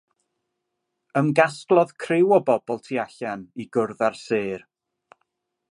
Ymgasglodd criw o bobl tu allan i gwrdd â'r sêr.